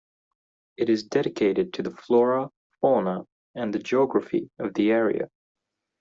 It is dedicated to the flora, fauna and geography of the area.